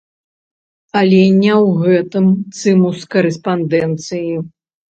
Але не ў гэтым цымус карэспандэнцыі.